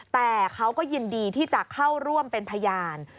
แต่เขาก็ยินดีที่จะเข้าร่วมเป็นพยาน